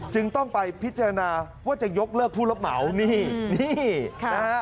จึงต้องไปพิจารณาว่าจะยกเลิกผู้รับเหมานี่นี่นะฮะ